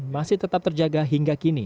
masih tetap terjadi